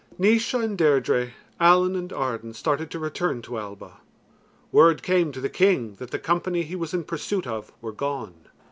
Naois and Deirdre, Allan and Arden started to return to Alba. Word came to the king that the company he was in pursuit of were gone.